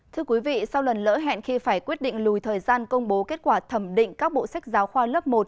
thưa quý vị sau lần lỡ hẹn khi phải quyết định lùi thời gian công bố kết quả thẩm định các bộ sách giáo khoa lớp một